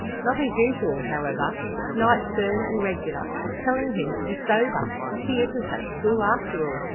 Not as usual however; to night firm and regular, telling him to be sober! "He isn't such a fool after all!"